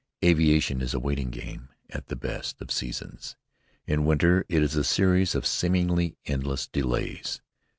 Aviation is a waiting game at the best of seasons. In winter it is a series of seemingly endless delays.